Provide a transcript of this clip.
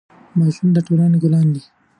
ماشومان د ټولنې ګلان دي.